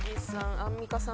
アンミカさん